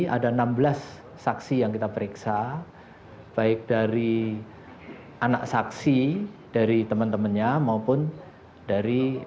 ada enam belas saksi yang kita periksa baik dari anak saksi dari teman temannya maupun dari